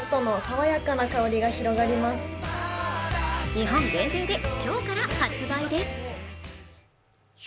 日本限定で今日から発売です。